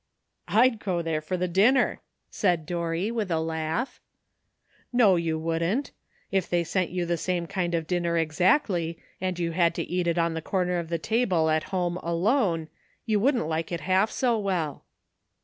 ''I'd go there for the dinner," said Dorry, with a laugh. "No, you wouldn't. If they sent you the same kind of dinner exactly, and you had to eat it on the corner of the table at home alone, you wouldn't like it half so well."